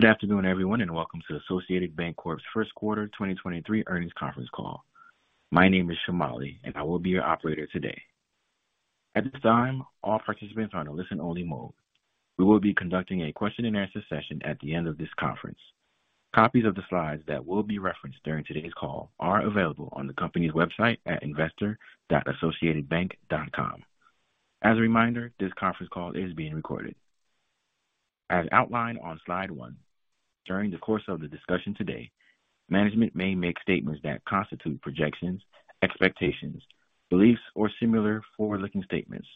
Good afternoon, everyone, and welcome to Associated Banc-Corp's First Quarter 2023 Earnings Conference Call. My name is Shumali, and I will be your operator today. At this time, all participants are on a listen-only mode. We will be conducting a question-and-answer session at the end of this conference. Copies of the slides that will be referenced during today's call are available on the company's website at investor.associatedbank.com. As a reminder, this conference call is being recorded. As outlined on slide 1, during the course of the discussion today, management may make statements that constitute projections, expectations, beliefs, or similar forward-looking statements.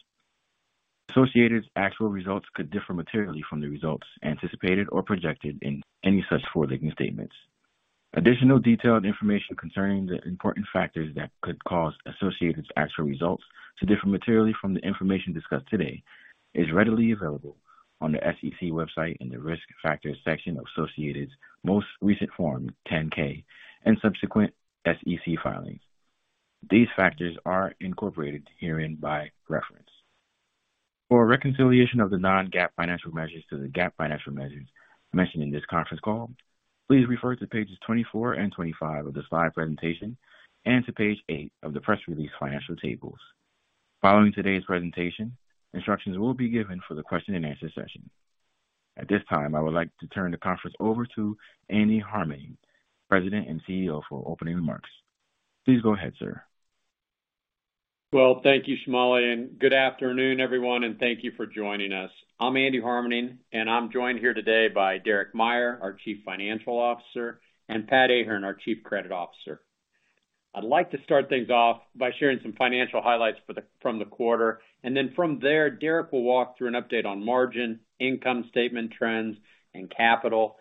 Associated's actual results could differ materially from the results anticipated or projected in any such forward-looking statements. Additional detailed information concerning the important factors that could cause Associated's actual results to differ materially from the information discussed today is readily available on the SEC website in the Risk Factors section of Associated's most recent Form 10-K and subsequent SEC filings. These factors are incorporated herein by reference. For a reconciliation of the non-GAAP financial measures to the GAAP financial measures mentioned in this conference call, please refer to pages 24 and 25 of the slide presentation and to page 8 of the press release financial tables. Following today's presentation, instructions will be given for the question-and-answer session. At this time, I would like to turn the conference over to Andy Harmening, President and CEO, for opening remarks. Please go ahead, sir. Well, thank you, Shumali. Good afternoon, everyone, and thank you for joining us. I'm Andy Harmening, and I'm joined here today by Derek Meyer, our Chief Financial Officer, and Pat Ahern, our Chief Credit Officer. I'd like to start things off by sharing some financial highlights from the quarter. From there, Derek will walk through an update on margin, income statement trends, and capital.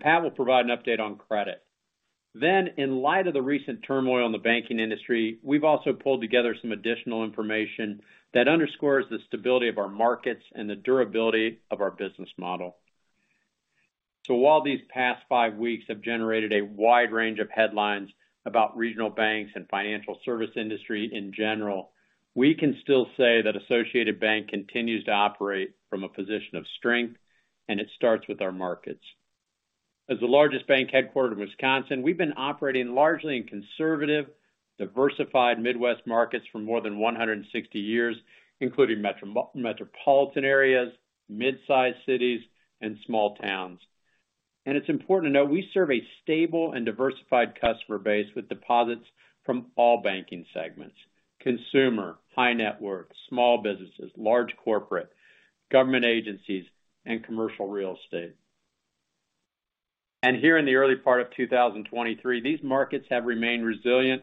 Pat will provide an update on credit. In light of the recent turmoil in the banking industry, we've also pulled together some additional information that underscores the stability of our markets and the durability of our business model. While these past five weeks have generated a wide range of headlines about regional banks and financial services industry in general, we can still say that Associated Bank continues to operate from a position of strength. It starts with our markets. As the largest bank headquartered in Wisconsin, we've been operating largely in conservative, diversified Midwest markets for more than 160 years, including metropolitan areas, mid-sized cities, and small towns. It's important to note we serve a stable and diversified customer base with deposits from all banking segments: consumer, high net worth, small businesses, large corporate, government agencies, and commercial real estate. Here in the early part of 2023, these markets have remained resilient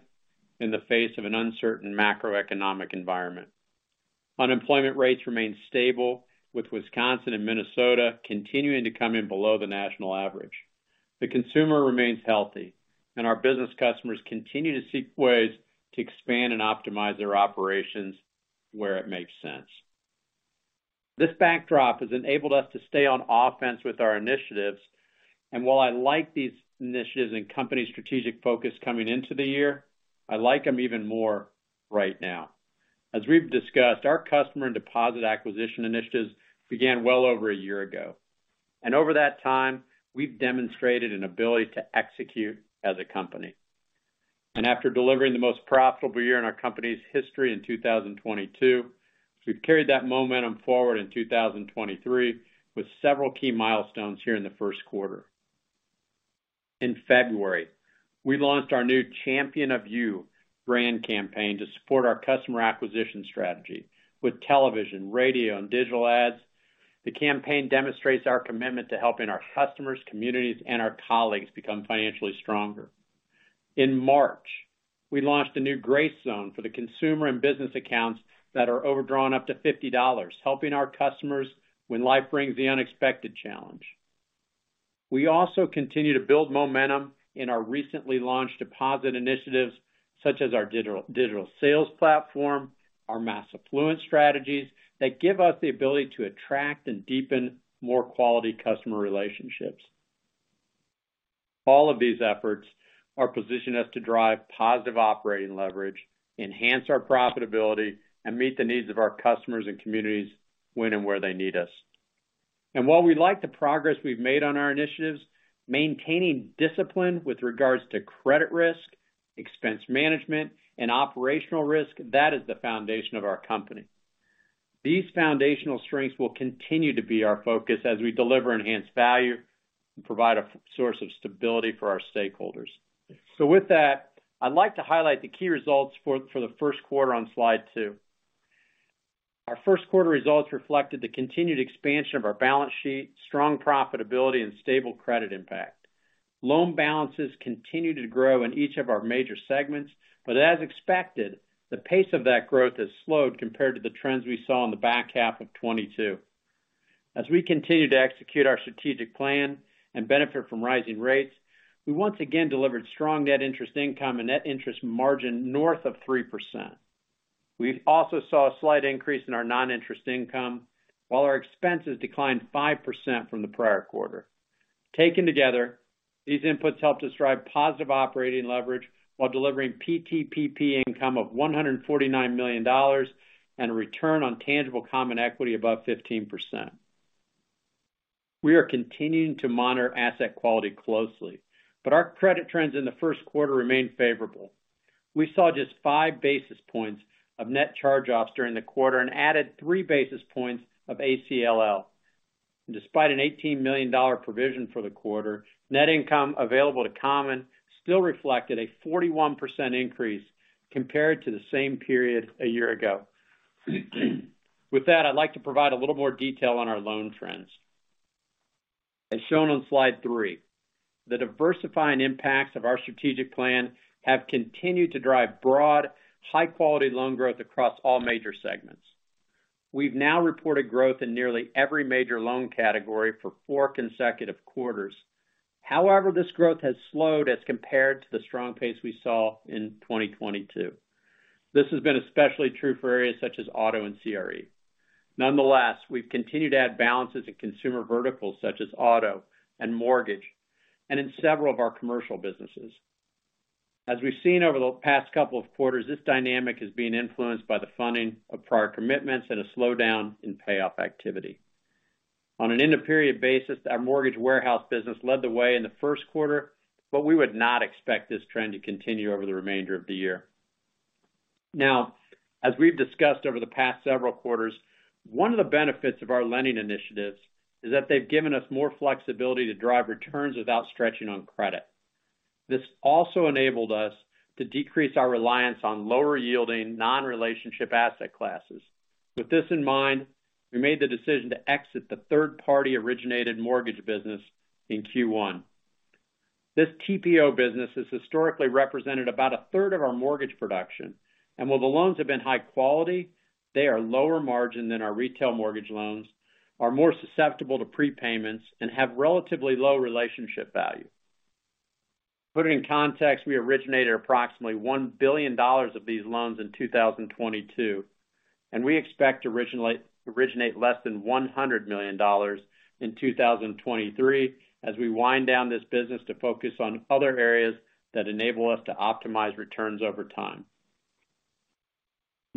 in the face of an uncertain macroeconomic environment. Unemployment rates remain stable, with Wisconsin and Minnesota continuing to come in below the national average. The consumer remains healthy, and our business customers continue to seek ways to expand and optimize their operations where it makes sense. This backdrop has enabled us to stay on offense with our initiatives. While I like these initiatives and company strategic focus coming into the year, I like them even more right now. As we've discussed, our customer and deposit acquisition initiatives began well over a year ago. Over that time, we've demonstrated an ability to execute as a company. After delivering the most profitable year in our company's history in 2022, we've carried that momentum forward in 2023 with several key milestones here in the 1st quarter. In February, we launched our new Champion of You brand campaign to support our customer acquisition strategy with television, radio, and digital ads. The campaign demonstrates our commitment to helping our customers, communities, and our colleagues become financially stronger. In March, we launched a new Grace Zone for the consumer and business accounts that are overdrawn up to $50, helping our customers when life brings the unexpected challenge. We also continue to build momentum in our recently launched deposit initiatives, such as our digital sales platform, our mass affluent strategies that give us the ability to attract and deepen more quality customer relationships. All of these efforts are positioned us to drive positive operating leverage, enhance our profitability, and meet the needs of our customers and communities when and where they need us. While we like the progress we've made on our initiatives, maintaining discipline with regards to credit risk, expense management, and operational risk, that is the foundation of our company. These foundational strengths will continue to be our focus as we deliver enhanced value and provide a source of stability for our stakeholders. With that, I'd like to highlight the key results for the 1st quarter on slide 2. Our 1st quarter results reflected the continued expansion of our balance sheet, strong profitability, and stable credit impact. Loan balances continued to grow in each of our major segments, but as expected, the pace of that growth has slowed compared to the trends we saw in the back half of 2022. As we continue to execute our strategic plan and benefit from rising rates, we once again delivered strong net interest income and net interest margin north of 3%. We also saw a slight increase in our non-interest income, while our expenses declined 5% from the prior quarter. Taken together, these inputs help describe positive operating leverage while delivering PTPP income of $149 million and a return on tangible common equity above 15%. We are continuing to monitor asset quality closely, but our credit trends in the 1st quarter remained favorable. We saw just 5 basis points of net charge-offs during the quarter and added 3 basis points of ACLL. Despite an $18 million provision for the quarter, net income available to common still reflected a 41% increase compared to the same period a year ago. I'd like to provide a little more detail on our loan trends. As shown on slide 3, the diversifying impacts of our strategic plan have continued to drive broad, high quality loan growth across all major segments. We've now reported growth in nearly every major loan category for four consecutive quarters. However, this growth has slowed as compared to the strong pace we saw in 2022. This has been especially true for areas such as auto and CRE. Nonetheless, we've continued to add balances in consumer verticals such as auto and mortgage, and in several of our commercial businesses. As we've seen over the past couple of quarters, this dynamic is being influenced by the funding of prior commitments and a slowdown in payoff activity. On an end of period basis, our mortgage warehouse business led the way in the 1st quarter, but we would not expect this trend to continue over the remainder of the year. As we've discussed over the past several quarters, one of the benefits of our lending initiatives is that they've given us more flexibility to drive returns without stretching on credit. This also enabled us to decrease our reliance on lower yielding non-relationship asset classes. With this in mind, we made the decision to exit the third party originated mortgage business in Q1. This TPO business has historically represented about a third of our mortgage production, and while the loans have been high quality, they are lower margin than our retail mortgage loans, are more susceptible to prepayments, and have relatively low relationship value. Put it in context, we originated approximately $1 billion of these loans in 2022, and we expect to originate less than $100 million in 2023 as we wind down this business to focus on other areas that enable us to optimize returns over time.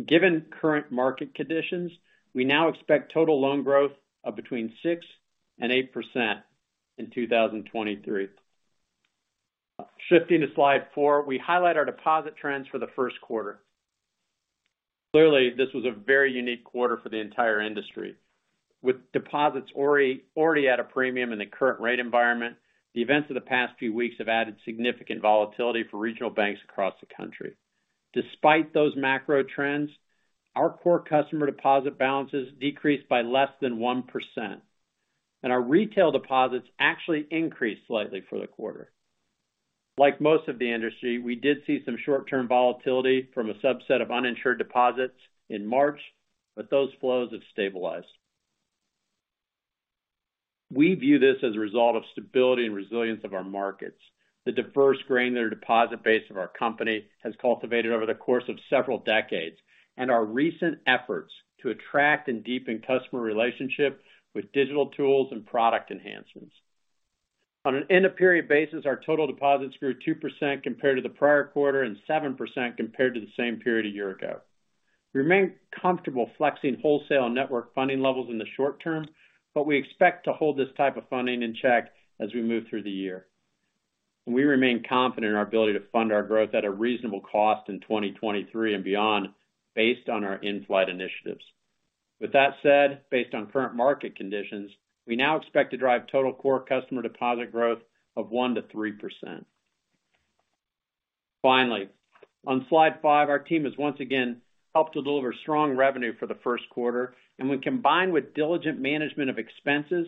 Given current market conditions, we now expect total loan growth of between 6% and 8% in 2023. Shifting to slide 4, we highlight our deposit trends for the 1st quarter. Clearly, this was a very unique quarter for the entire industry. With deposits already at a premium in the current rate environment, the events of the past few weeks have added significant volatility for regional banks across the country. Despite those macro trends, our core customer deposit balances decreased by less than 1%, and our retail deposits actually increased slightly for the quarter. Like most of the industry, we did see some short-term volatility from a subset of uninsured deposits in March, but those flows have stabilized. We view this as a result of stability and resilience of our markets. The diverse granular deposit base of our company has cultivated over the course of several decades, and our recent efforts to attract and deepen customer relationship with digital tools and product enhancements. On an end of period basis, our total deposits grew 2% compared to the prior quarter and 7% compared to the same period a year ago. We remain comfortable flexing wholesale network funding levels in the short term, but we expect to hold this type of funding in check as we move through the year. We remain confident in our ability to fund our growth at a reasonable cost in 2023 and beyond based on our in-flight initiatives. With that said, based on current market conditions, we now expect to drive total core customer deposit growth of 1%-3%. Finally, on slide five, our team has once again helped to deliver strong revenue for the first quarter, and when combined with diligent management of expenses,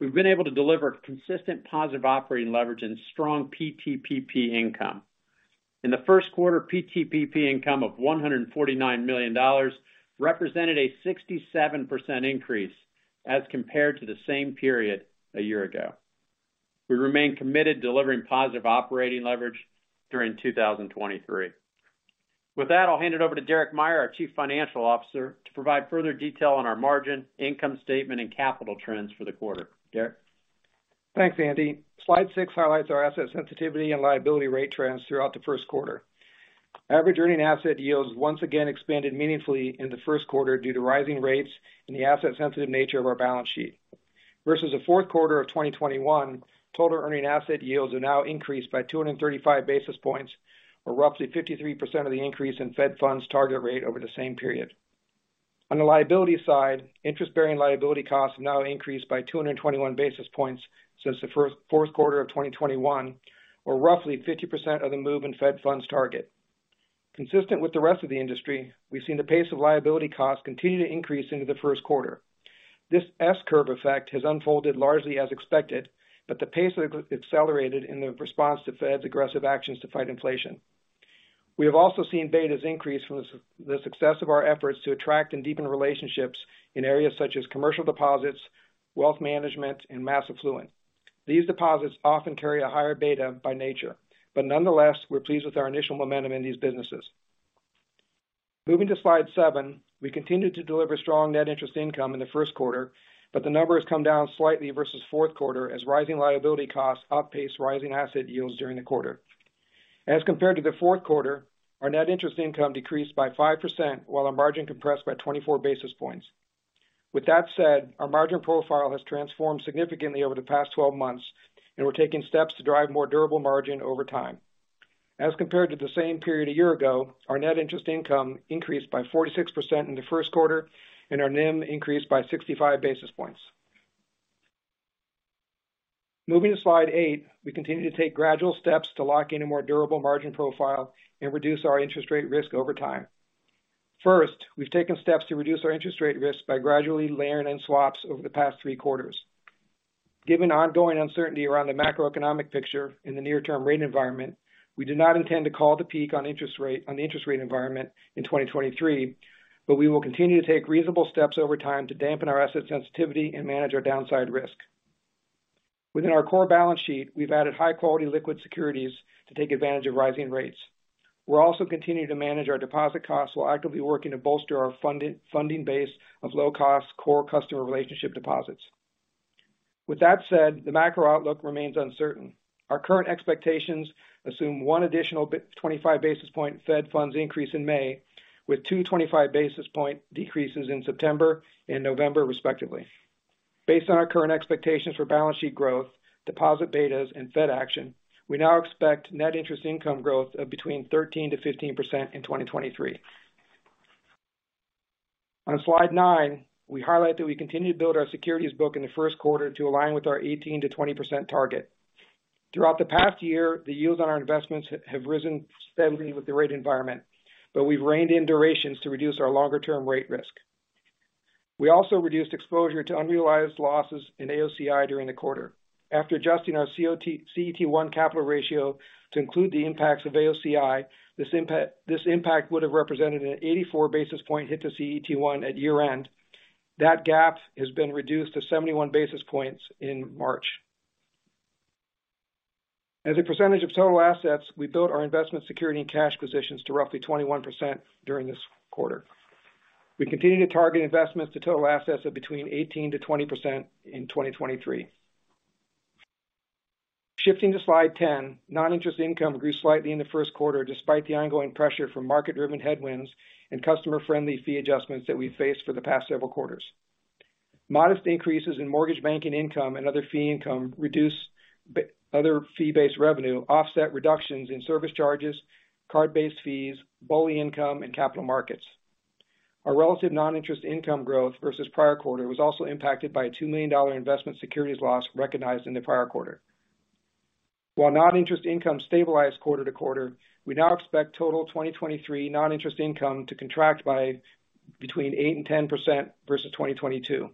we've been able to deliver consistent positive operating leverage and strong PTPP income. In the 1st quarter, PTPP income of $149 million represented a 67% increase as compared to the same period a year ago. We remain committed to delivering positive operating leverage during 2023. With that, I'll hand it over to Derek Meyer, our Chief Financial Officer, to provide further detail on our margin, income statement and capital trends for the quarter. Derek? Thanks, Andy. Slide 6 highlights our asset sensitivity and liability rate trends throughout the 1st quarter. Average earning asset yields once again expanded meaningfully in the 1st quarter due to rising rates and the asset sensitive nature of our balance sheet. Versus the 4th quarter of 2021, total earning asset yields are now increased by 235 basis points, or roughly 53% of the increase in Fed funds target rate over the same period. On the liability side, interest-bearing liability costs have now increased by 221 basis points since the 4th quarter of 2021, or roughly 50% of the move in Fed funds target. Consistent with the rest of the industry, we've seen the pace of liability costs continue to increase into the 1st quarter. This S-curve effect has unfolded largely as expected, but the pace of it accelerated in the response to Fed's aggressive actions to fight inflation. We have also seen betas increase from the success of our efforts to attract and deepen relationships in areas such as commercial deposits, wealth management, and mass affluent. These deposits often carry a higher beta by nature, but nonetheless, we're pleased with our initial momentum in these businesses. Moving to slide 7. We continued to deliver strong net interest income in the 1st quarter, but the number has come down slightly versus 4th quarter as rising liability costs outpaced rising asset yields during the quarter. As compared to the 4th quarter, our net interest income decreased by 5%, while our margin compressed by 24 basis points. With that said, our margin profile has transformed significantly over the past 12 months, and we're taking steps to drive more durable margin over time. Compared to the same period a year ago, our net interest income increased by 46% in the 1st quarter, and our NIM increased by 65 basis points. Moving to slide 8. We continue to take gradual steps to lock in a more durable margin profile and reduce our interest rate risk over time. First, we've taken steps to reduce our interest rate risk by gradually layering in swaps over the past three quarters. Given ongoing uncertainty around the macroeconomic picture in the near term rate environment, we do not intend to call the peak on the interest rate environment in 2023, we will continue to take reasonable steps over time to dampen our asset sensitivity and manage our downside risk. Within our core balance sheet, we've added high-quality liquid securities to take advantage of rising rates. We're also continuing to manage our deposit costs while actively working to bolster our funding base of low cost core customer relationship deposits. With that said, the macro outlook remains uncertain. Our current expectations assume one additional 25 basis point Fed funds increase in May with two 25 basis point decreases in September and November, respectively. Based on our current expectations for balance sheet growth, deposit betas and Fed action, we now expect net interest income growth of between 13%-15% in 2023. On slide 9, we highlight that we continue to build our securities book in the 1st quarter to align with our 18%-20% target. Throughout the past year, the yields on our investments have risen steadily with the rate environment, but we've reined in durations to reduce our longer-term rate risk. We also reduced exposure to unrealized losses in AOCI during the quarter. After adjusting our CET1 capital ratio to include the impacts of AOCI, this impact would have represented an 84 basis point hit to CET1 at year-end. That gap has been reduced to 71 basis points in March. As a percentage of total assets, we built our investment security and cash positions to roughly 21% during this quarter. We continue to target investments to total assets of between 18%-20% in 2023. Shifting to slide 10. Non-interest income grew slightly in the 1st quarter, despite the ongoing pressure from market-driven headwinds and customer-friendly fee adjustments that we faced for the past several quarters. Modest increases in mortgage banking income and other fee-based revenue offset reductions in service charges, card-based fees, BOLI income and capital markets. Our relative non-interest income growth versus prior quarter was also impacted by a $2 million investment securities loss recognized in the prior quarter. While non-interest income stabilized quarter-to-quarter, we now expect total 2023 non-interest income to contract by between 8% and 10% versus 2022.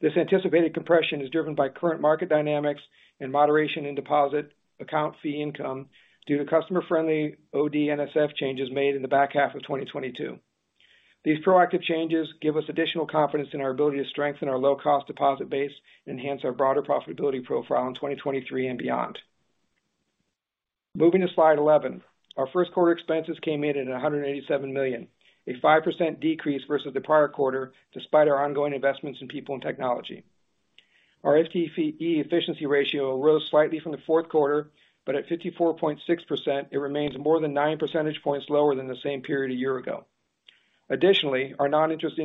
This anticipated compression is driven by current market dynamics and moderation in deposit account fee income due to customer-friendly OD/NSF changes made in the back half of 2022. These proactive changes give us additional confidence in our ability to strengthen our low-cost deposit base and enhance our broader profitability profile in 2023 and beyond. Moving to slide 11. Our 1st quarter expenses came in at $187 million, a 5% decrease versus the prior quarter, despite our ongoing investments in people and technology. Our FTE efficiency ratio rose slightly from the 4th quarter, but at 54.6% it remains more than 9 percentage points lower than the same period a year ago. Additionally, our non-interest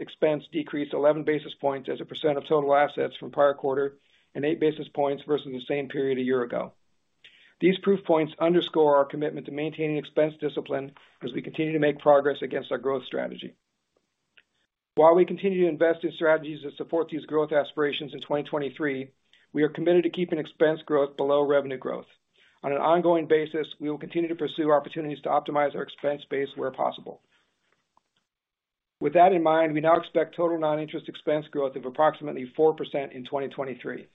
expense decreased 11 basis points as a percent of total assets from prior quarter and 8 basis points versus the same period a year ago. These proof points underscore our commitment to maintaining expense discipline as we continue to make progress against our growth strategy. While we continue to invest in strategies that support these growth aspirations in 2023, we are committed to keeping expense growth below revenue growth. On an ongoing basis, we will continue to pursue opportunities to optimize our expense base where possible. With that in mind, we now expect total non-interest expense growth of approximately 4% in 2023.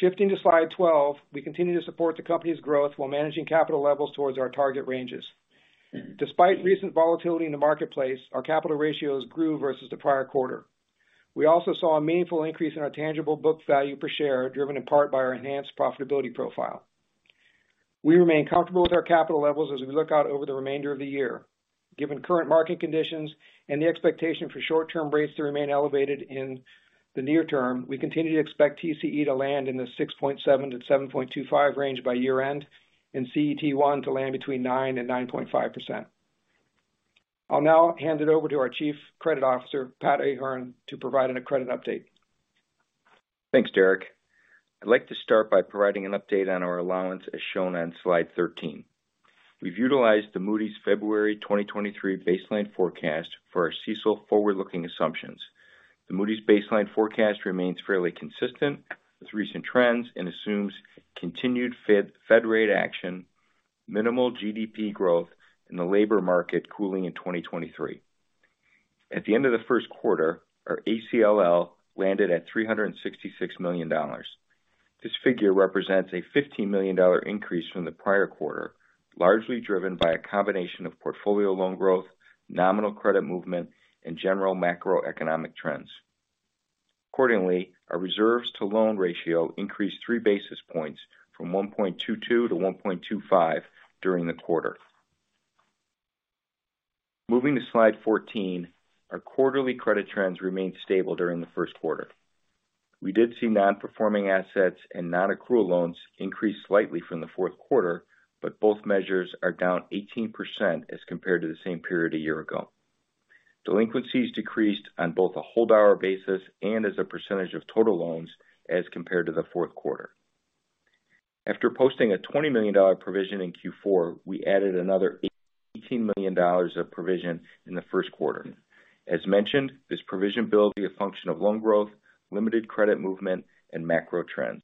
Shifting to slide 12. We continue to support the company's growth while managing capital levels towards our target ranges. Despite recent volatility in the marketplace, our capital ratios grew versus the prior quarter. We also saw a meaningful increase in our tangible book value per share, driven in part by our enhanced profitability profile. We remain comfortable with our capital levels as we look out over the remainder of the year. Given current market conditions and the expectation for short-term rates to remain elevated in the near term, we continue to expect TCE to land in the 6.7%-7.25% range by year-end, and CET1 to land between 9% and 9.5%. I'll now hand it over to our Chief Credit Officer, Pat Ahern, to provide a credit update. Thanks, Derek. I'd like to start by providing an update on our allowance as shown on slide 13. We've utilized the Moody's February 2023 baseline forecast for our CECL forward-looking assumptions. The Moody's baseline forecast remains fairly consistent with recent trends and assumes continued Fed rate action, minimal GDP growth, and the labor market cooling in 2023. At the end of the 1st quarter, our ACLL landed at $366 million. This figure represents a $15 million increase from the prior quarter, largely driven by a combination of portfolio loan growth, nominal credit movement, and general macroeconomic trends. Our reserves to loan ratio increased 3 basis points from 1.22-1.25 during the quarter. Moving to slide 14. Our quarterly credit trends remained stable during the 1st quarter. We did see non-performing assets and non-accrual loans increase slightly from the 4th quarter, both measures are down 18% as compared to the same period a year ago. Delinquencies decreased on both a hold hour basis and as a % of total loans as compared to the 4th quarter. After posting a $20 million provision in Q4, we added another $18 million of provision in the 1st quarter. As mentioned, this provision will be a function of loan growth, limited credit movement and macro trends.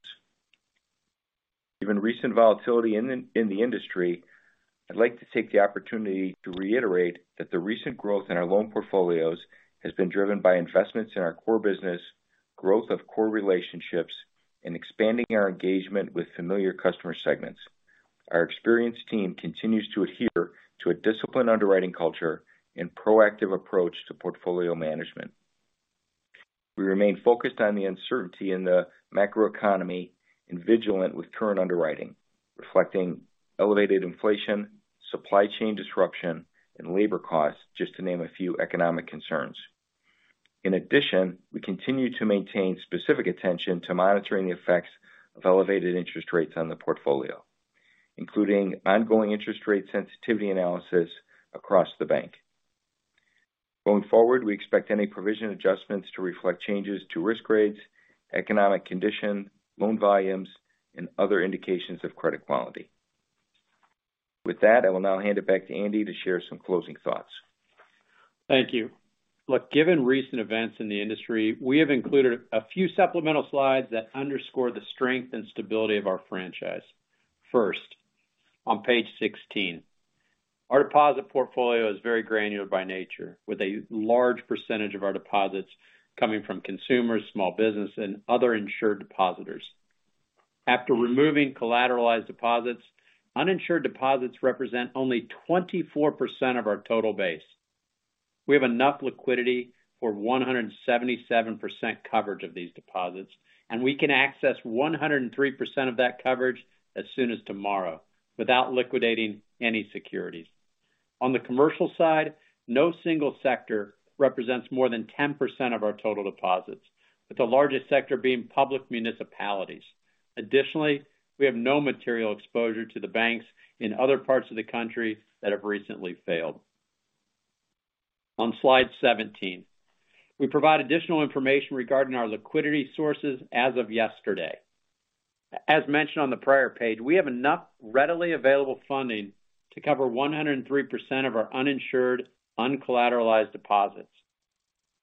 Given recent volatility in the industry, I'd like to take the opportunity to reiterate that the recent growth in our loan portfolios has been driven by investments in our core business, growth of core relationships, and expanding our engagement with familiar customer segments. Our experienced team continues to adhere to a disciplined underwriting culture and proactive approach to portfolio management. We remain focused on the uncertainty in the macroeconomy and vigilant with current underwriting, reflecting elevated inflation, supply chain disruption, and labor costs, just to name a few economic concerns. In addition, we continue to maintain specific attention to monitoring the effects of elevated interest rates on the portfolio, including ongoing interest rate sensitivity analysis across the bank. Going forward, we expect any provision adjustments to reflect changes to risk grades, economic condition, loan volumes, and other indications of credit quality. With that, I will now hand it back to Andy to share some closing thoughts. Thank you. Look, given recent events in the industry, we have included a few supplemental slides that underscore the strength and stability of our franchise. First, on page 16. Our deposit portfolio is very granular by nature, with a large percentage of our deposits coming from consumers, small business and other insured depositors. After removing collateralized deposits, uninsured deposits represent only 24% of our total base. We have enough liquidity for 177% coverage of these deposits, and we can access 103% of that coverage as soon as tomorrow without liquidating any securities. On the commercial side, no single sector represents more than 10% of our total deposits, with the largest sector being public municipalities. Additionally, we have no material exposure to the banks in other parts of the country that have recently failed. On slide 17, we provide additional information regarding our liquidity sources as of yesterday. As mentioned on the prior page, we have enough readily available funding to cover 103% of our uninsured, uncollateralized deposits.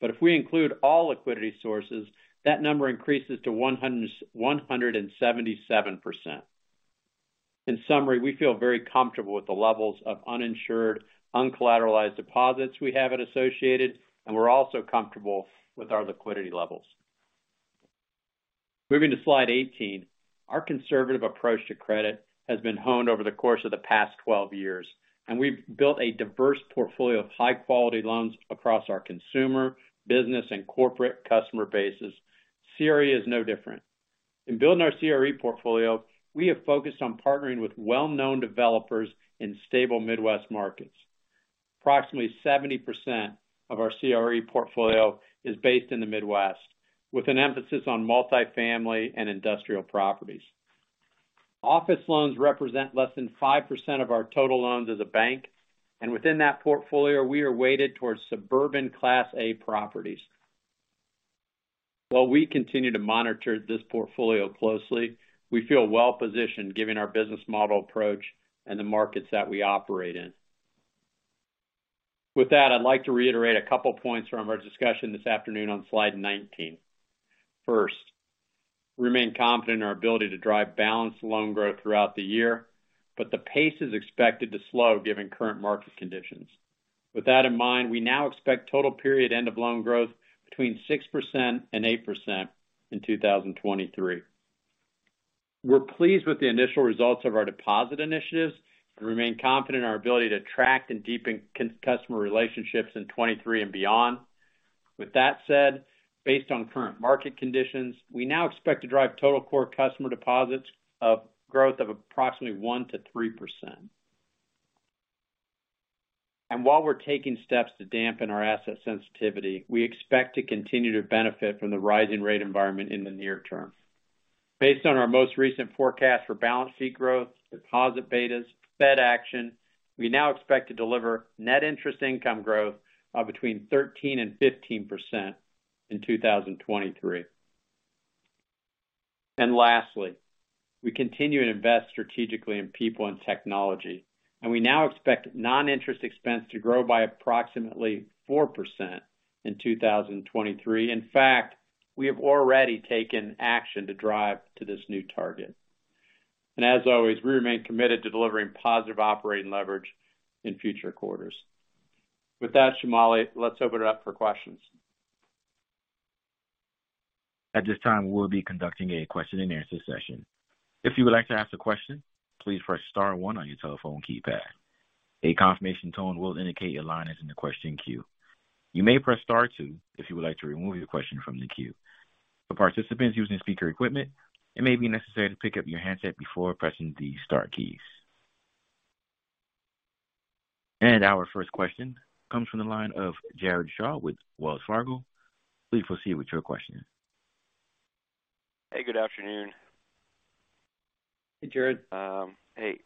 If we include all liquidity sources, that number increases to 177%. In summary, we feel very comfortable with the levels of uninsured, uncollateralized deposits we have at Associated, and we're also comfortable with our liquidity levels. Moving to slide 18. Our conservative approach to credit has been honed over the course of the past 12 years, and we've built a diverse portfolio of high quality loans across our consumer, business and corporate customer bases. CRE is no different. In building our CRE portfolio, we have focused on partnering with well-known developers in stable Midwest markets. Approximately 70% of our CRE portfolio is based in the Midwest, with an emphasis on multi-family and industrial properties. Office loans represent less than 5% of our total loans as a bank. Within that portfolio, we are weighted towards suburban class A properties. While we continue to monitor this portfolio closely, we feel well-positioned given our business model approach and the markets that we operate in. With that, I'd like to reiterate a couple points from our discussion this afternoon on slide 19. First, we remain confident in our ability to drive balanced loan growth throughout the year, but the pace is expected to slow given current market conditions. With that in mind, we now expect total period end of loan growth between 6% and 8% in 2023. We're pleased with the initial results of our deposit initiatives and remain confident in our ability to attract and deepen customer relationships in 2023 and beyond. With that said, based on current market conditions, we now expect to drive total core customer deposits of growth of approximately 1%-3%. While we're taking steps to dampen our asset sensitivity, we expect to continue to benefit from the rising rate environment in the near term. Based on our most recent forecast for balance sheet growth, deposit betas, Fed action, we now expect to deliver net interest income growth of between 13% and 15% in 2023. Lastly, we continue to invest strategically in people and technology, and we now expect non-interest expense to grow by approximately 4% in 2023. In fact, we have already taken action to drive to this new target. As always, we remain committed to delivering positive operating leverage in future quarters. With that, Shumali, let's open it up for questions. At this time, we'll be conducting a question and answer session. If you would like to ask a question, please press star one on your telephone keypad. A confirmation tone will indicate your line is in the question queue. You may press star two if you would like to remove your question from the queue. For participants using speaker equipment, it may be necessary to pick up your handset before pressing the star keys. Our first question comes from the line of Jared Shaw with Wells Fargo. Please proceed with your question. Hey, good afternoon. Hey, Jared. Hey,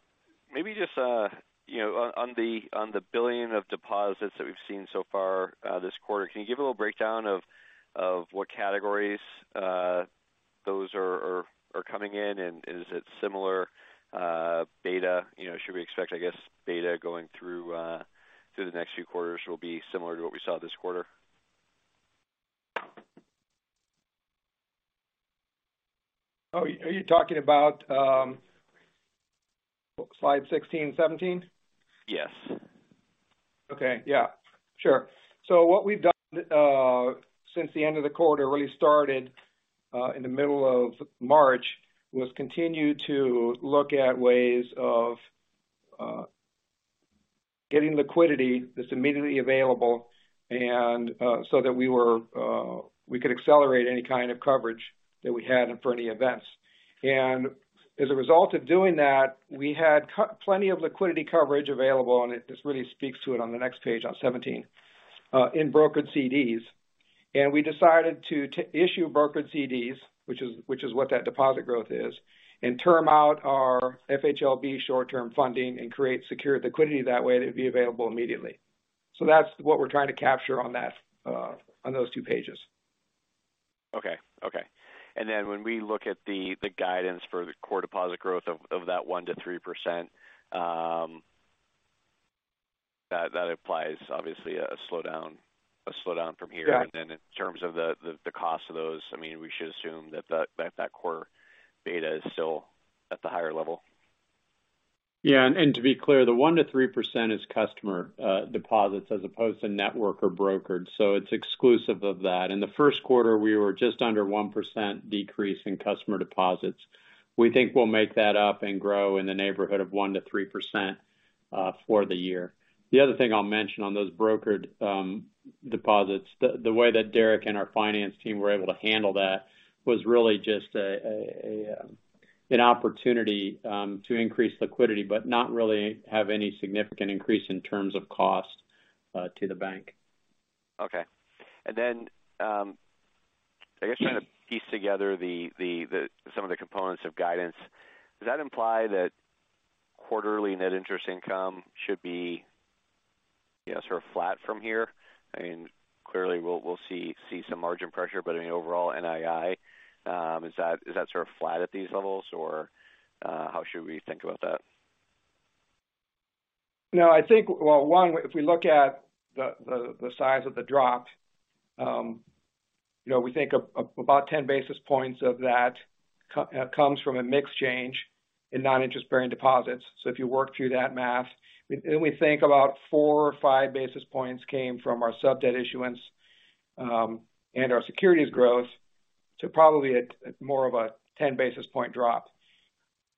maybe just, you know, on the $1 billion of deposits that we've seen so far, this quarter, can you give a little breakdown of what categories those are coming in? Is it similar, beta? You know, should we expect, I guess, beta going through the next few quarters will be similar to what we saw this quarter? Oh, are you talking about, slide 16 and 17? Yes. Okay. Yeah, sure. What we've done, since the end of the quarter really started, in the middle of March, was continue to look at ways of getting liquidity that's immediately available and, so that we were, we could accelerate any kind of coverage that we had for any events. As a result of doing that, we had plenty of liquidity coverage available, and this really speaks to it on the next page, on 17, in brokered CDs. We decided to issue brokered CDs, which is what that deposit growth is, and term out our FHLB short-term funding and create secured liquidity that way to be available immediately. That's what we're trying to capture on that, on those two pages. Okay. When we look at the guidance for the core deposit growth of that 1%-3%, that applies obviously a slowdown from here. Yes. In terms of the cost of those, I mean, we should assume that core beta is still at the higher level. To be clear, the 1%-3% is customer deposits as opposed to network or brokered. It's exclusive of that. In the 1st quarter, we were just under 1% decrease in customer deposits. We think we'll make that up and grow in the neighborhood of 1%-3% for the year. The other thing I'll mention on those brokered deposits, the way that Derek and our finance team were able to handle that was really just an opportunity to increase liquidity, but not really have any significant increase in terms of cost to the bank. Okay. I guess trying to piece together some of the components of guidance. Does that imply that quarterly net interest income should be, you know, sort of flat from here? I mean, clearly we'll see some margin pressure, but I mean, overall NII, is that sort of flat at these levels or how should we think about that? No, I think, well, one, if we look at the size of the drop, you know, we think about 10 basis points of that comes from a mix change in non-interest bearing deposits. If you work through that math. We think about 4 or 5 basis points came from our sub debt issuance, and our securities growth to probably a, more of a 10 basis point drop.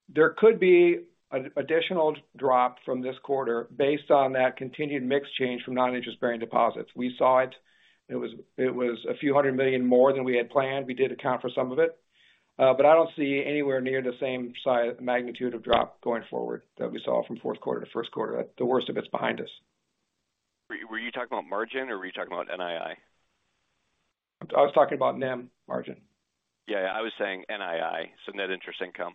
There could be an additional drop from this quarter based on that continued mix change from non-interest bearing deposits. We saw it. It was a few hundred million more than we had planned. We did account for some of it. I don't see anywhere near the same magnitude of drop going forward that we saw from 4th quarter to 1st quarter. The worst of it's behind us. Were you talking about margin or were you talking about NII? I was talking about NIM margin. Yeah. I was saying NII, so net interest income.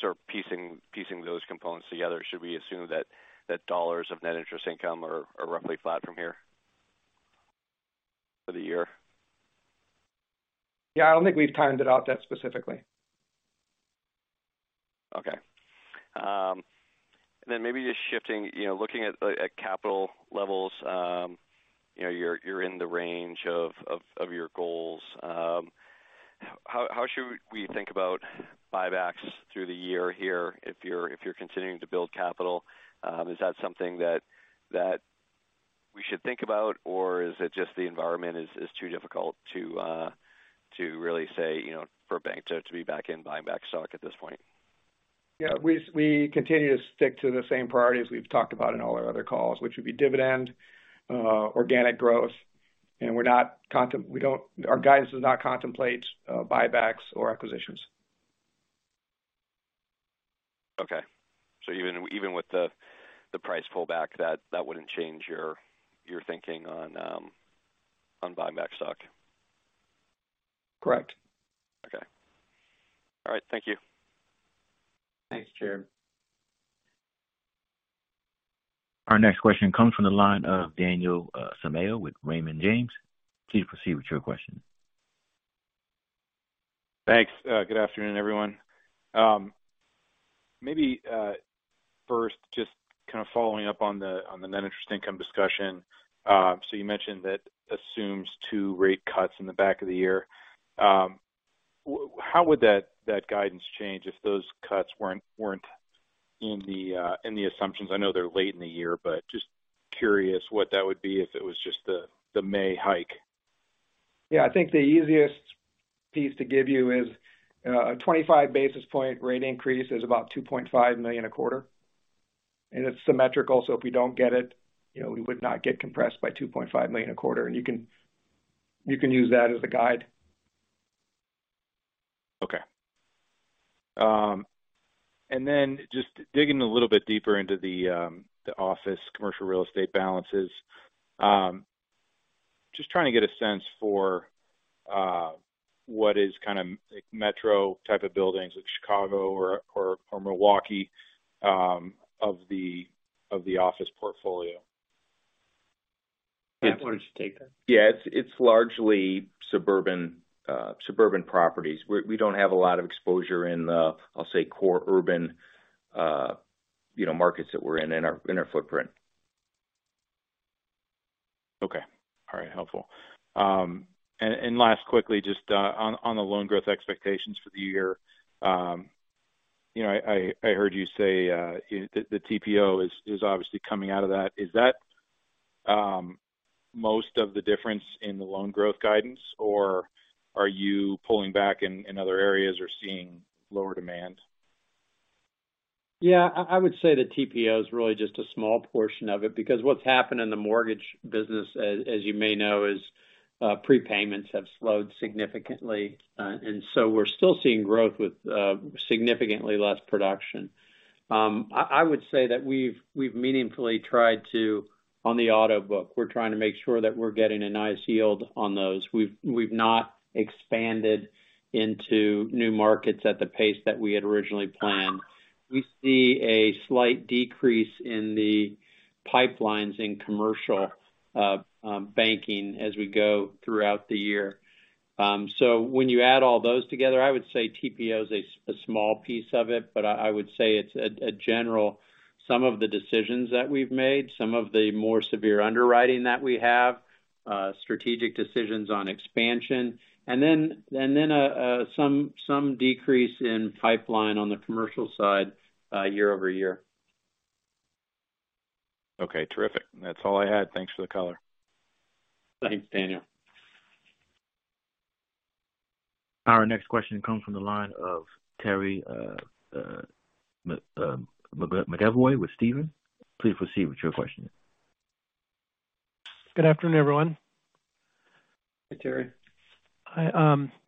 sort of piecing those components together, should we assume that dollars of net interest income are roughly flat from here for the year? Yeah. I don't think we've timed it out that specifically. Okay. Maybe just shifting, you know, looking at capital levels, you know, you're in the range of your goals. How should we think about buybacks through the year here if you're continuing to build capital? Is that something that we should think about or is it just the environment is too difficult to really say, you know, for a bank to be back in buying back stock at this point? Yeah. We, we continue to stick to the same priorities we've talked about in all our other calls, which would be dividend, organic growth. Our guidance does not contemplate buybacks or acquisitions. Okay. even with the price pullback, that wouldn't change your thinking on buying back stock? Correct. Okay. All right. Thank you. Thanks, Jared. Our next question comes from the line of Daniel Samayoa with Raymond James. Please proceed with your question. Thanks. Good afternoon, everyone. Maybe, first just kind of following up on the, on the net interest income discussion. You mentioned that assumes two rate cuts in the back of the year. How would that guidance change if those cuts weren't in the assumptions? I know they're late in the year, but just curious what that would be if it was just the May hike. Yeah, I think the easiest piece to give you is, a 25 basis point rate increase is about $2.5 million a quarter, and it's symmetrical, so if we don't get it, you know, we would not get compressed by $2.5 million a quarter. You can, you can use that as a guide. Okay. Just digging a little bit deeper into the office commercial real estate balances. Just trying to get a sense for what is kind of like metro type of buildings like Chicago or Milwaukee of the office portfolio. Pat, why don't you take that? It's largely suburban properties. We don't have a lot of exposure in the, I'll say, core urban, you know, markets that we're in our footprint. Okay. All right. Helpful. Last quickly, just on the loan growth expectations for the year. You know, I heard you say, the TPO is obviously coming out of that. Is that most of the difference in the loan growth guidance, or are you pulling back in other areas or seeing lower demand? Yeah. I would say the TPO is really just a small portion of it, because what's happened in the mortgage business, as you may know, is prepayments have slowed significantly. We're still seeing growth with significantly less production. I would say that we've meaningfully tried to... on the auto book, we're trying to make sure that we're getting a nice yield on those. We've not expanded into new markets at the pace that we had originally planned. We see a slight decrease in the pipelines in commercial banking as we go throughout the year. When you add all those together, I would say TPO is a small piece of it, but I would say it's a general, some of the decisions that we've made, some of the more severe underwriting that we have, strategic decisions on expansion, and then some decrease in pipeline on the commercial side, year-over-year. Okay. Terrific. That's all I had. Thanks for the color. Thanks, Daniel. Our next question comes from the line of Terry McEvoy with Stephens. Please proceed with your question. Good afternoon, everyone. Hey, Terry. Hi.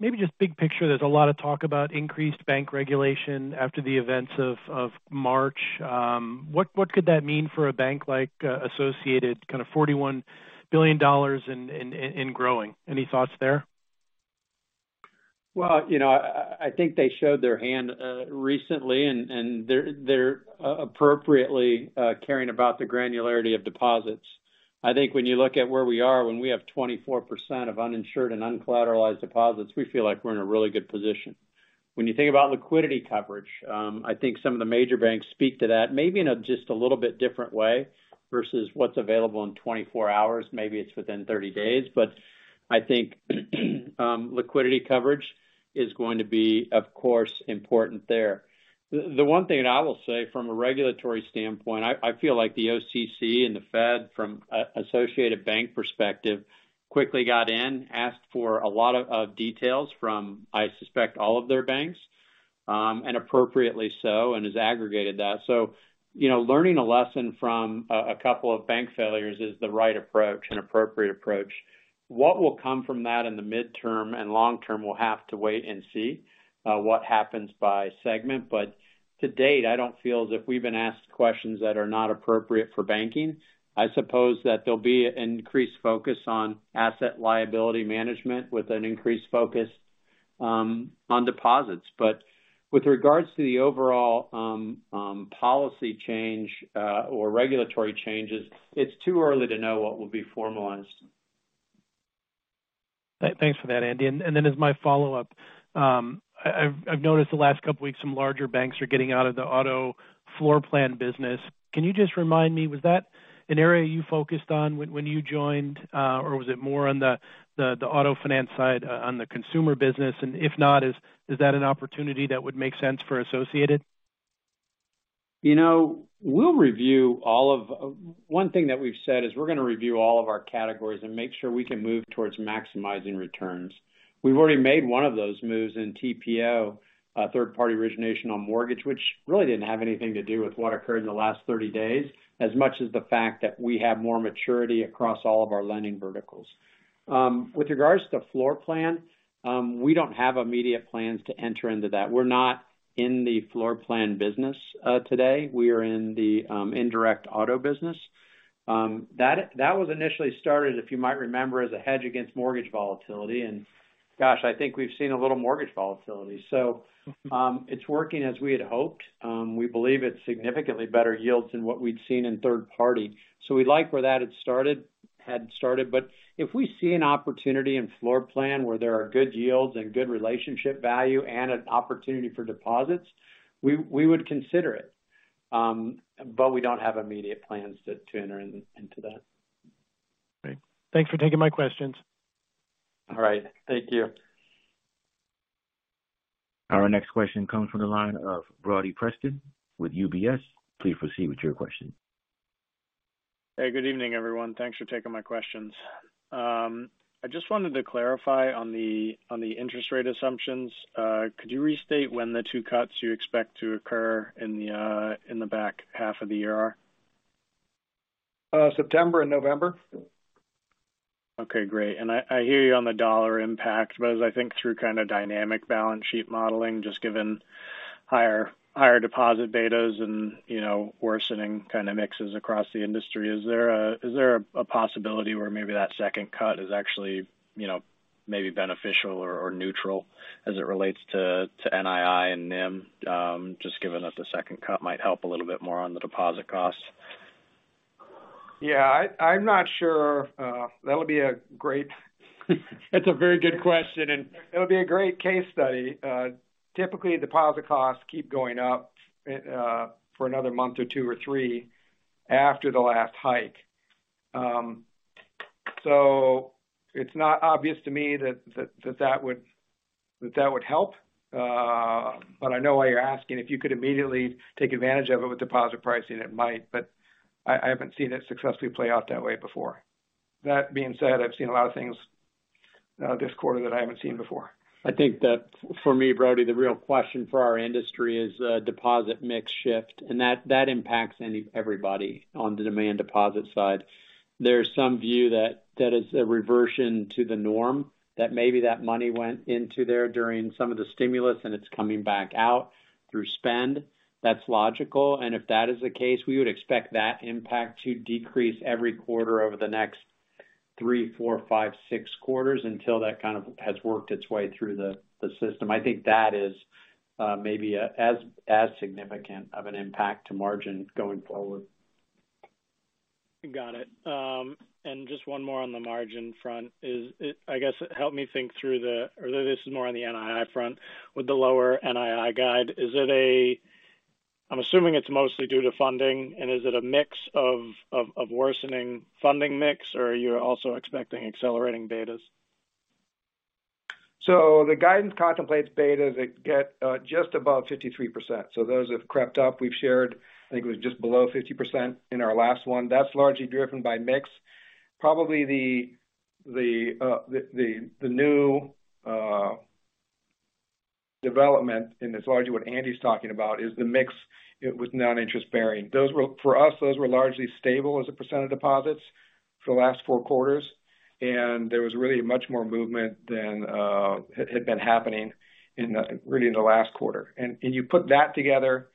Maybe just big picture, there's a lot of talk about increased bank regulation after the events of March. What could that mean for a bank like Associated, kind of $41 billion and growing? Any thoughts there? Well, you know, I think they showed their hand recently, and they're appropriately caring about the granularity of deposits. I think when you look at where we are, when we have 24% of uninsured and uncollateralized deposits, we feel like we're in a really good position. When you think about liquidity coverage, I think some of the major banks speak to that maybe in a just a little bit different way versus what's available in 24 hours. Maybe it's within 30 days. I think liquidity coverage is going to be, of course, important there. The one thing that I will say from a regulatory standpoint, I feel like the OCC and the Fed from a Associated Bank perspective, quickly got in, asked for a lot of details from, I suspect, all of their banks, and appropriately so, and has aggregated that. You know, learning a lesson from a couple of bank failures is the right approach and appropriate approach. What will come from that in the midterm and long term, we'll have to wait and see what happens by segment. To date, I don't feel as if we've been asked questions that are not appropriate for banking. I suppose that there'll be an increased focus on asset liability management with an increased focus on deposits. With regards to the overall policy change or regulatory changes, it's too early to know what will be formalized. Thanks for that, Andy. Then as my follow-up, I've noticed the last couple weeks some larger banks are getting out of the auto floor plan business. Can you just remind me, was that an area you focused on when you joined, or was it more on the auto finance side on the consumer business? If not, is that an opportunity that would make sense for Associated? You know, we'll review. One thing that we've said is we're gonna review all of our categories and make sure we can move towards maximizing returns. We've already made one of those moves in TPO, third-party origination on mortgage, which really didn't have anything to do with what occurred in the last 30 days, as much as the fact that we have more maturity across all of our lending verticals. With regards to floor plan, we don't have immediate plans to enter into that. We're not in the floor plan business today. We are in the indirect auto business. That was initially started, if you might remember, as a hedge against mortgage volatility. Gosh, I think we've seen a little mortgage volatility. It's working as we had hoped. We believe it's significantly better yields than what we'd seen in third party. We like where that had started. If we see an opportunity in floor plan where there are good yields and good relationship value and an opportunity for deposits, we would consider it. We don't have immediate plans to enter into that. Great. Thanks for taking my questions. All right. Thank you. Our next question comes from the line of Brodie Preston with UBS. Please proceed with your question. Hey, good evening, everyone. Thanks for taking my questions. I just wanted to clarify on the, on the interest rate assumptions. Could you restate when the two cuts you expect to occur in the back half of the year are? September and November. Okay, great. I hear you on the dollar impact, as I think through kind of dynamic balance sheet modeling, just given higher deposit betas and, you know, worsening kind of mixes across the industry, is there a possibility where maybe that second cut is actually, you know, maybe beneficial or neutral as it relates to NII and NIM, just given that the second cut might help a little bit more on the deposit costs? Yeah, I'm not sure. That would be a great. That's a very good question, and it'll be a great case study. Typically, deposit costs keep going up for another month or two or three after the last hike. It's not obvious to me that that would help. I know why you're asking. If you could immediately take advantage of it with deposit pricing, it might, but I haven't seen it successfully play out that way before. That being said, I've seen a lot of things this quarter that I haven't seen before. I think that for me, Brodie, the real question for our industry is deposit mix shift, and that impacts everybody on the demand deposit side. There's some view that that is a reversion to the norm, that maybe that money went into there during some of the stimulus, and it's coming back out through spend. That's logical. If that is the case, we would expect that impact to decrease every quarter over the next three, four, five, six quarters until that kind of has worked its way through the system. I think that is maybe as significant of an impact to margin going forward. Got it. Just one more on the margin front. I guess help me think through the... This is more on the NII front. With the lower NII guide, I'm assuming it's mostly due to funding. Is it a mix of worsening funding mix, or are you also expecting accelerating betas? The guidance contemplates betas that get just above 53%. Those have crept up. We've shared, I think it was just below 50% in our last one. That's largely driven by mix. Probably the new development, and it's largely what Andy's talking about, is the mix with non-interest bearing. Those for us, those were largely stable as a percent of deposits for the last four quarters, and there was really much more movement than had been happening in really in the last quarter. You put that together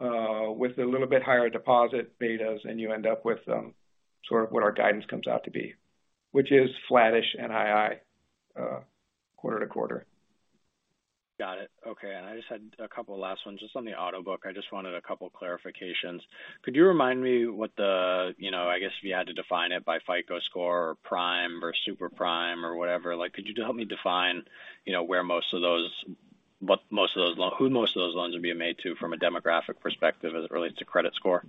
with a little bit higher deposit betas, and you end up with sort of what our guidance comes out to be, which is flattish NII quarter-to-quarter. Got it. Okay. I just had a couple of last ones. Just on the auto book, I just wanted a couple clarifications. Could you remind me what the, you know, I guess if you had to define it by FICO score or prime or super prime or whatever, like, could you just help me define, you know, who most of those loans are being made to from a demographic perspective as it relates to credit score?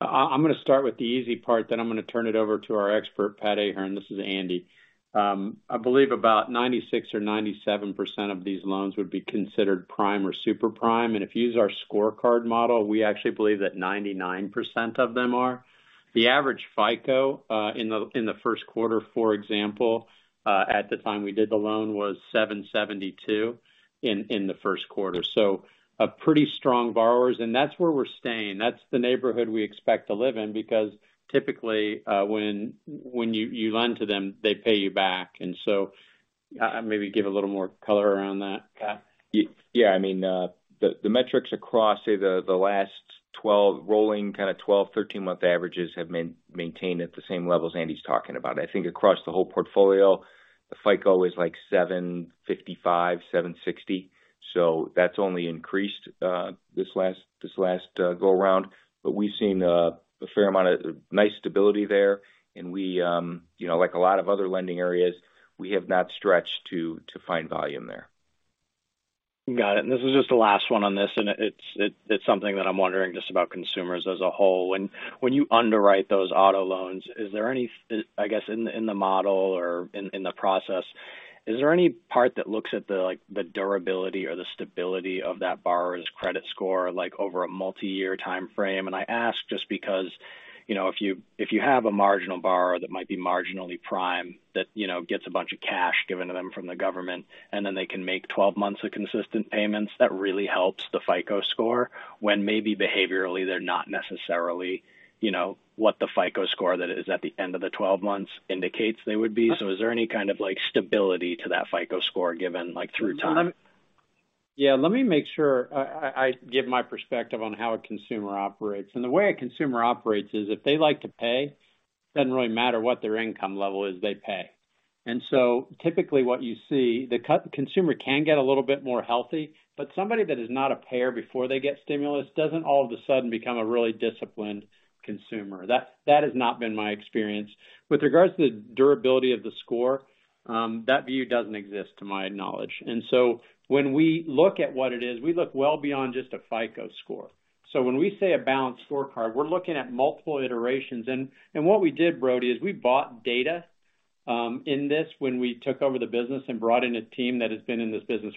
I'm gonna start with the easy part, then I'm gonna turn it over to our expert, Pat Ahern. This is Andy. I believe about 96% or 97% of these loans would be considered prime or super prime. If you use our scorecard model, we actually believe that 99% of them are. The average FICO in the 1st quarter, for example, at the time we did the loan, was 772 in the 1st quarter. A pretty strong borrowers, and that's where we're staying. That's the neighborhood we expect to live in because typically, when you lend to them, they pay you back. Maybe give a little more color around that, Pat. Yeah. I mean, the metrics across, say, the 12 rolling, kinda 12, 13-month averages have been maintained at the same levels Andy's talking about. I think across the whole portfolio, the FICO is like 755, 760. That's only increased this last go around. We've seen a fair amount of nice stability there. We, you know, like a lot of other lending areas, we have not stretched to find volume there. Got it. This is just the last one on this, and it's something that I'm wondering just about consumers as a whole. When you underwrite those auto loans, is there any I guess, in the model or in the process, is there any part that looks at the, like, the durability or the stability of that borrower's credit score, like, over a multi-year timeframe? I ask just because, you know, if you have a marginal borrower that might be marginally prime, that, you know, gets a bunch of cash given to them from the government, and then they can make 12 months of consistent payments, that really helps the FICO score when maybe behaviorally they're not necessarily, you know, what the FICO score that is at the end of the 12 months indicates they would be. Is there any kind of, like, stability to that FICO score given, like, through time? Yeah. Let me make sure I give my perspective on how a consumer operates. The way a consumer operates is if they like to pay, it doesn't really matter what their income level is, they pay. Typically what you see, the consumer can get a little bit more healthy, but somebody that is not a payer before they get stimulus doesn't all of a sudden become a really disciplined consumer. That has not been my experience. With regards to the durability of the score, that view doesn't exist to my knowledge. When we look at what it is, we look well beyond just a FICO score. When we say a balanced scorecard, we're looking at multiple iterations. What we did, Brodie, is we bought data in this when we took over the business and brought in a team that has been in this business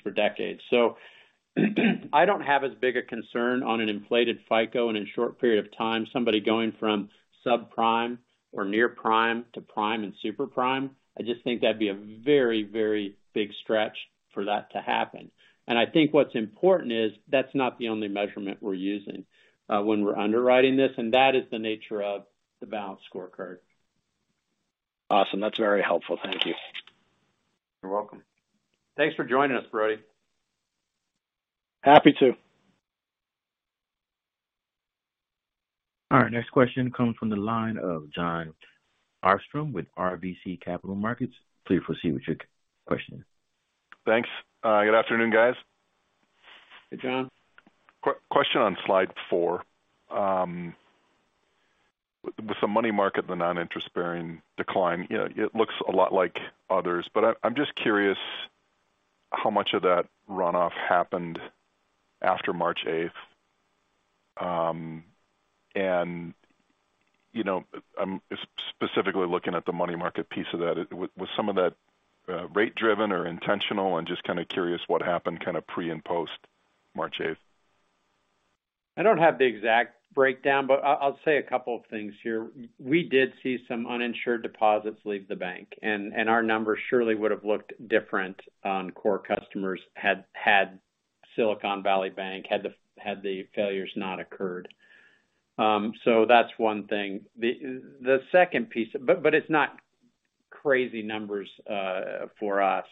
for decades. I don't have as big a concern on an inflated FICO and in a short period of time, somebody going from subprime or near-prime to prime and super prime. I just think that'd be a very, very big stretch for that to happen. I think what's important is that's not the only measurement we're using when we're underwriting this, and that is the nature of the balanced scorecard. Awesome. That's very helpful. Thank you. You're welcome. Thanks for joining us, Brodie. Happy to. All right, next question comes from the line of Jon Arfstrom with RBC Capital Markets. Please proceed with your question. Thanks. Good afternoon, guys. Hey, Jon. Question on slide 4. With the money market, the non-interest-bearing decline, you know, it looks a lot like others, but I'm just curious how much of that runoff happened after March 8th. You know, I'm specifically looking at the money market piece of that. Was some of that rate-driven or intentional? I'm just kinda curious what happened kinda pre and post March 8th. I don't have the exact breakdown, but I'll say a couple of things here. We did see some uninsured deposits leave the bank, and our numbers surely would have looked different on core customers had Silicon Valley Bank, had the failures not occurred. That's one thing. The second piece. But it's not crazy numbers for us.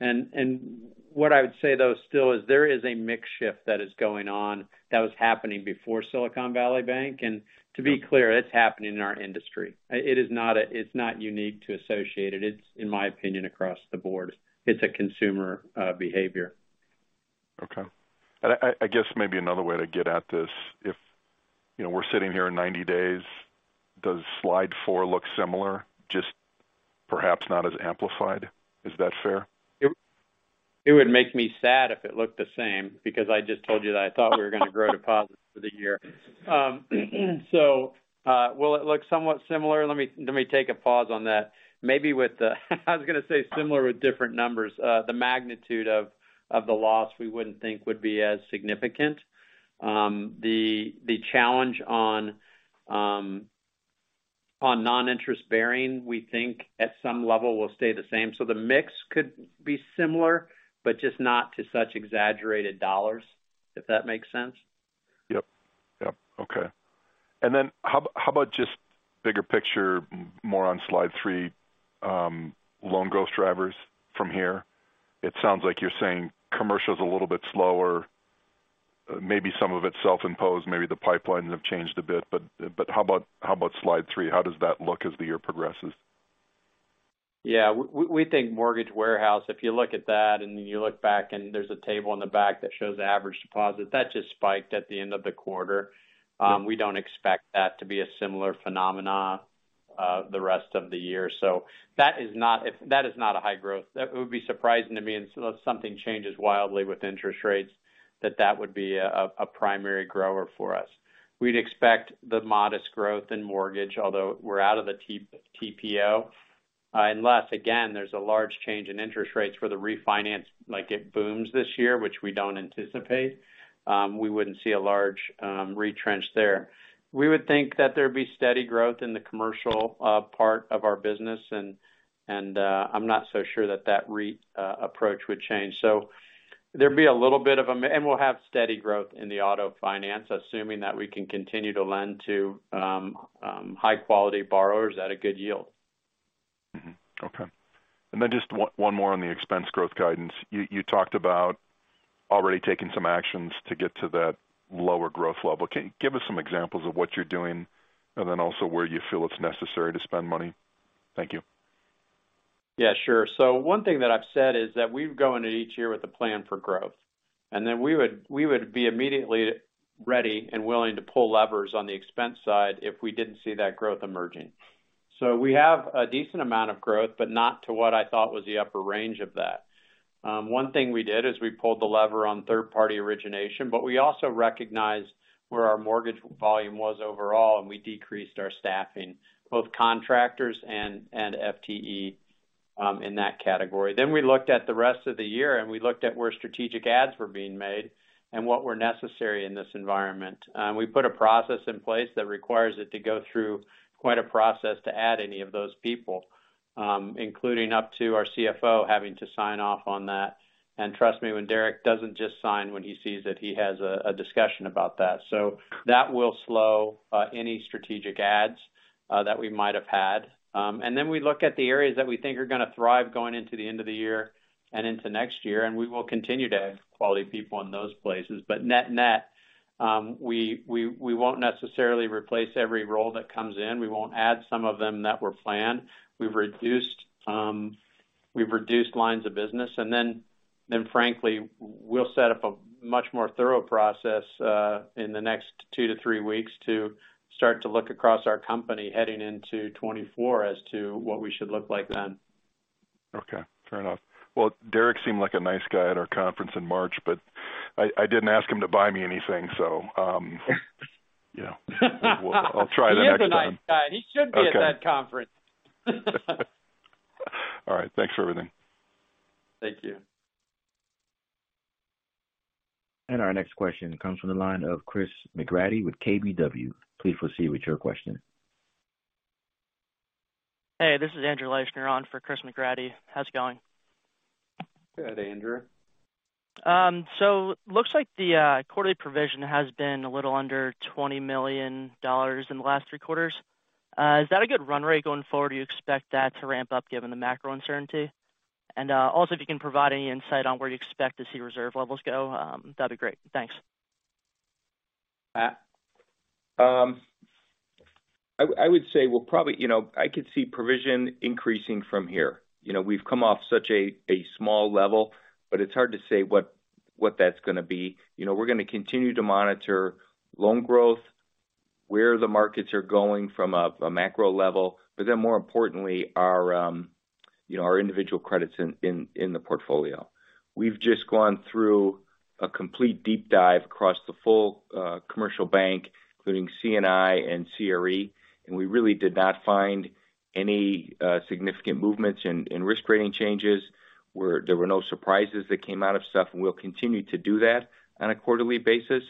And what I would say, though, still is there is a mix shift that is going on that was happening before Silicon Valley Bank. To be clear, it's happening in our industry. It's not unique to Associated. It's, in my opinion, across the board. It's a consumer behavior. Okay. I guess maybe another way to get at this, if, you know, we're sitting here in 90 days, does slide 4 look similar, just perhaps not as amplified? Is that fair? It would make me sad if it looked the same because I just told you that I thought we were gonna grow deposits for the year. Will it look somewhat similar? Let me take a pause on that. I was gonna say similar with different numbers. The magnitude of the loss, we wouldn't think would be as significant. The challenge on non-interest-bearing, we think at some level will stay the same. The mix could be similar, but just not to such exaggerated dollars, if that makes sense. Yep. Yep. Okay. How about just bigger picture, more on slide 3, loan growth drivers from here? It sounds like you're saying commercial is a little bit slower, maybe some of it self-imposed, maybe the pipelines have changed a bit. How about slide 3? How does that look as the year progresses? We think mortgage warehouse, if you look at that and you look back and there's a table in the back that shows the average deposit, that just spiked at the end of the quarter. We don't expect that to be a similar phenomena the rest of the year. That is not a high growth. It would be surprising to me, unless something changes wildly with interest rates, that that would be a primary grower for us. We'd expect the modest growth in mortgage, although we're out of the TPO, unless, again, there's a large change in interest rates for the refinance, like it booms this year, which we don't anticipate. We wouldn't see a large retrench there. We would think that there'd be steady growth in the commercial part of our business, and I'm not so sure that that approach would change. There'd be a little bit of them, and we'll have steady growth in the auto finance, assuming that we can continue to lend to high-quality borrowers at a good yield. Okay. Then just one more on the expense growth guidance. You talked about already taking some actions to get to that lower growth level. Can you give us some examples of what you're doing and then also where you feel it's necessary to spend money? Thank you. Yeah, sure. One thing that I've said is that we go into each year with a plan for growth. We would be immediately ready and willing to pull levers on the expense side if we didn't see that growth emerging. We have a decent amount of growth, but not to what I thought was the upper range of that. One thing we did is we pulled the lever on third-party origination, but we also recognized where our mortgage volume was overall, and we decreased our staffing, both contractors and FTE in that category. We looked at the rest of the year, and we looked at where strategic adds were being made and what were necessary in this environment. We put a process in place that requires it to go through quite a process to add any of those people, including up to our CFO having to sign off on that. Trust me when Derek doesn't just sign when he sees it, he has a discussion about that. That will slow any strategic adds that we might have had. Then we look at the areas that we think are gonna thrive going into the end of the year and into next year, we will continue to add quality people in those places. Net-net, we won't necessarily replace every role that comes in. We won't add some of them that were planned. We've reduced lines of business. frankly, we'll set up a much more thorough process, in the next two to three weeks to start to look across our company heading into 2024 as to what we should look like then. Okay. Fair enough. Well, Derek seemed like a nice guy at our conference in March, but I didn't ask him to buy me anything, so. You know, I'll try that next time. He is a nice guy. He should be- Okay. -at that conference. All right, thanks for everything. Thank you. Our next question comes from the line of Chris McGratty with KBW. Please proceed with your question. Hey, this is Andrew Liesch on for Chris McGratty. How's it going? Good, Andrew. Looks like the quarterly provision has been a little under $20 million in the last three quarters. Is that a good run rate going forward? Do you expect that to ramp up given the macro uncertainty? Also, if you can provide any insight on where you expect to see reserve levels go, that'd be great. Thanks. I would say we'll probably... You know, I could see provision increasing from here. You know, we've come off such a small level, but it's hard to say what that's gonna be. You know, we're gonna continue to monitor loan growth, where the markets are going from a macro level, but then more importantly, our, you know, our individual credits in the portfolio. We've just gone through a complete deep dive across the full commercial bank, including C&I and CRE, and we really did not find any significant movements in risk rating changes, where there were no surprises that came out of stuff. We'll continue to do that on a quarterly basis.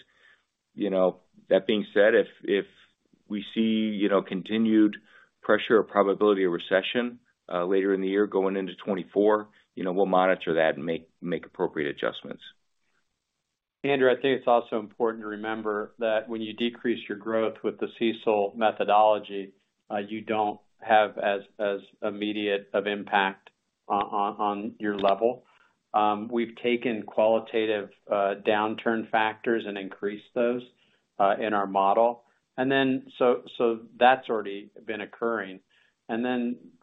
You know, that being said, if we see, you know, continued pressure or probability of recession, later in the year going into 2024, you know, we'll monitor that and make appropriate adjustments. Andrew, I think it's also important to remember that when you decrease your growth with the CECL methodology, you don't have as immediate of impact on your level. We've taken qualitative downturn factors and increased those in our model. That's already been occurring.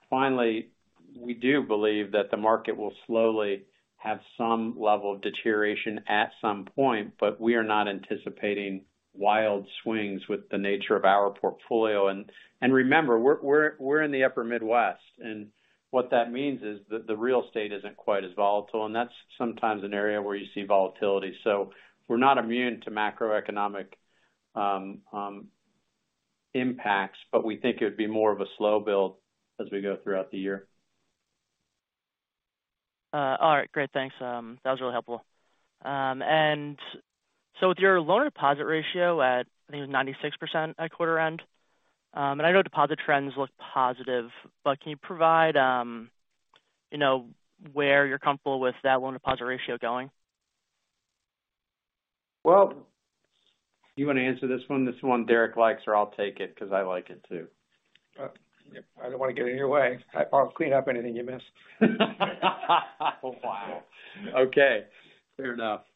Finally, we do believe that the market will slowly have some level of deterioration at some point, but we are not anticipating wild swings with the nature of our portfolio. Remember, we're in the upper Midwest, and what that means is that the real estate isn't quite as volatile, and that's sometimes an area where you see volatility. We're not immune to macroeconomic impacts, but we think it would be more of a slow build as we go throughout the year. All right. Great. Thanks. That was really helpful. With your loan deposit ratio at, I think it was 96% at quarter end, and I know deposit trends look positive, but can you provide, you know, where you're comfortable with that loan deposit ratio going? Well, you wanna answer this one, this one Derek likes, or I'll take it 'cause I like it too. I don't wanna get in your way. I'll clean up anything you miss. Wow. Okay, fair enough.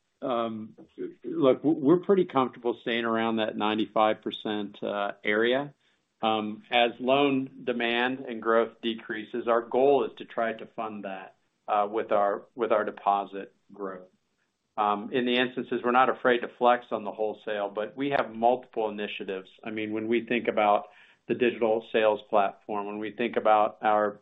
Look, we're pretty comfortable staying around that 95% area. As loan demand and growth decreases, our goal is to try to fund that with our deposit growth. In the instances we're not afraid to flex on the wholesale, but we have multiple initiatives. I mean, when we think about the digital sales platform, when we think about our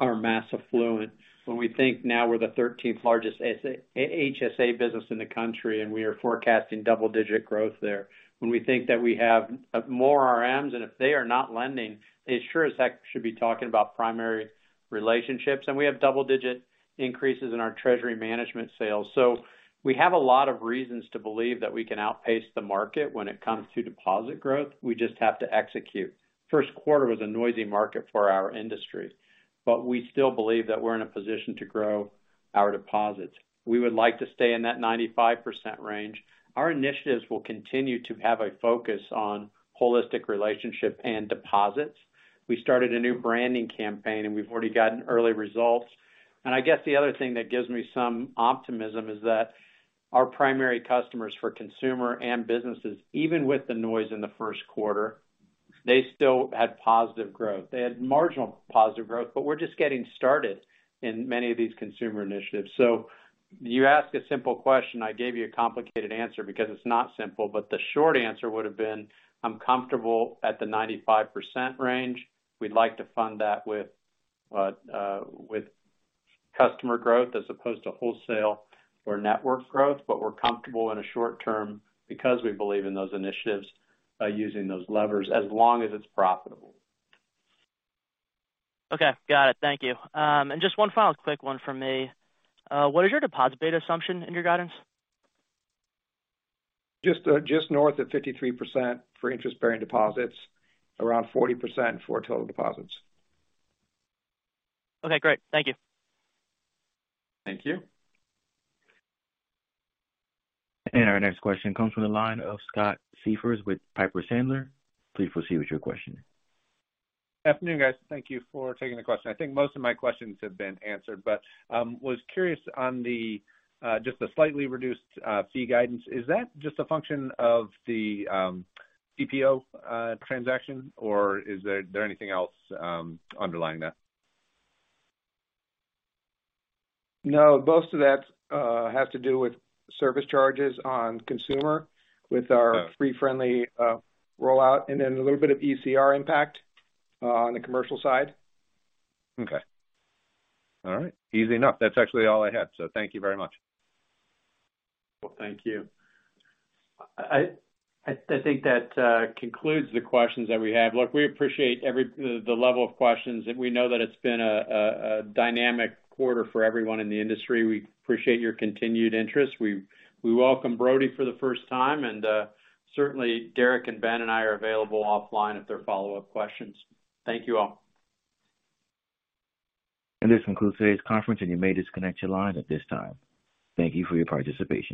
mass affluent, when we think now we're the 13th largest HSA business in the country, and we are forecasting double-digit growth there. When we think that we have more RMs, and if they are not lending, they sure as heck should be talking about primary relationships. We have double-digit increases in our treasury management sales. We have a lot of reasons to believe that we can outpace the market when it comes to deposit growth. We just have to execute. First quarter was a noisy market for our industry, but we still believe that we're in a position to grow our deposits. We would like to stay in that 95% range. Our initiatives will continue to have a focus on holistic relationship and deposits. We started a new branding campaign, and we've already gotten early results. I guess the other thing that gives me some optimism is that our primary customers for consumer and businesses, even with the noise in the 1st quarter, they still had positive growth. They had marginal positive growth, but we're just getting started in many of these consumer initiatives. You ask a simple question, I gave you a complicated answer because it's not simple. The short answer would have been, I'm comfortable at the 95% range. We'd like to fund that with customer growth as opposed to wholesale or network growth. We're comfortable in a short term because we believe in those initiatives, using those levers as long as it's profitable. Okay. Got it. Thank you. Just one final quick one from me. What is your deposit beta assumption in your guidance? Just north of 53% for interest-bearing deposits, around 40% for total deposits. Okay, great. Thank you. Thank you. Our next question comes from the line of Scott Siefers with Piper Sandler. Please proceed with your question. Afternoon, guys. Thank you for taking the question. I think most of my questions have been answered, but was curious on the just the slightly reduced fee guidance. Is that just a function of the CPO transaction, or is there anything else underlying that? No, most of that has to do with service charges on consumer with our free friendly rollout, and then a little bit of ECR impact on the commercial side. Okay. All right. Easy enough. That's actually all I had. Thank you very much. Well, thank you. I think that concludes the questions that we have. Look, we appreciate the level of questions, and we know that it's been a dynamic quarter for everyone in the industry. We appreciate your continued interest. We welcome Brodie for the first time, and certainly Derek and Ben and I are available offline if there are follow-up questions. Thank you all. This concludes today's conference, and you may disconnect your line at this time. Thank you for your participation.